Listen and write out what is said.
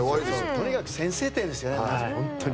とにかく先制点ですよね。